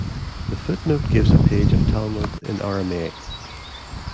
The footnote gives a page of Talmud in Aramaic.